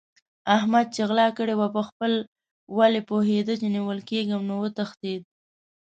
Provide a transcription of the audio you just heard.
احمد چې غلا کړې وه؛ په خپل ولي پوهېد چې نيول کېږم نو وتښتېد.